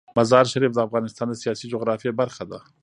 مزارشریف د افغانستان د سیاسي جغرافیه برخه ده.